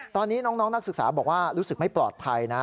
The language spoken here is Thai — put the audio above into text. ตอนนี้น้องนักศึกษาบอกว่ารู้สึกไม่ปลอดภัยนะ